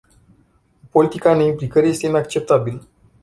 O politică a neimplicării este inacceptabilă.